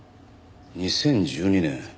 ２０１２年。